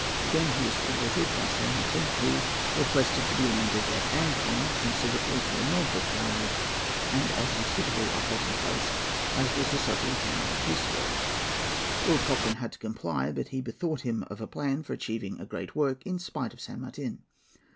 Again he was thwarted by San Martin, who requested to be landed at Ancon, considerably to the north of Callao, and as unsuitable a halting place as was the southerly town of Pisco. Lord Cochrane had to comply; but he bethought him of a plan for achieving a great work, in spite of San Martin.